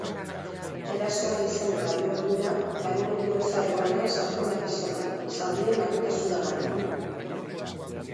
Erasoa izan eta bi ordura garun-heriotza egoeran sartu da gizona, zaurien larritasunagatik.